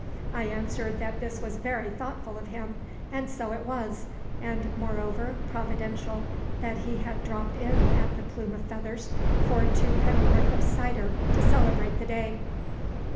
I answered that this was very thoughtful of him; and so it was, and, moreover, providential that he had dropped in at the Plume of Feathers for two pennyworth of cider to celebrate the day.